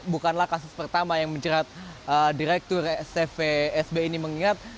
bukanlah kasus pertama yang menjerat direktur cvsb ini mengingat